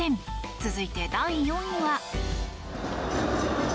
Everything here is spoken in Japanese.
続いて、第４位は。